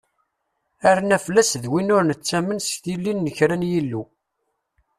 Arnaflas d win ur nettamen s tilin n kra n yillu.